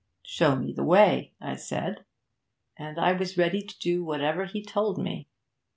"Show me the way," I said. And I was ready to do whatever he told me.